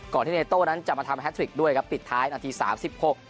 ก่อนที่เนโต้นั้นจะมาทำด้วยครับปิดท้ายนัดที่สามสิบหก